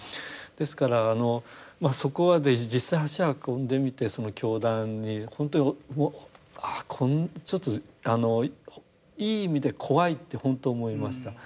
ですからそこまで実際足運んでみてその教団に本当にちょっとあのいい意味で怖いって本当思いました。